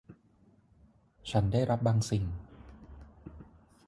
ฉันได้รับบางสิ่ง